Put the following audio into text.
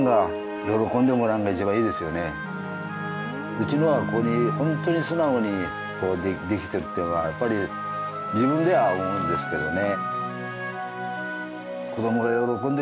うちのはホントに素直にできてるっていうのはやっぱり自分では思うんですけどね。